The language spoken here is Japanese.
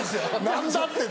「何だって」